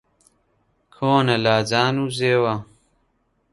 کۆنە لاجان و زێوە